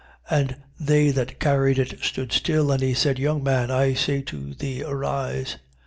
And they that carried it stood still. And he said: Young man, I say to thee, arise.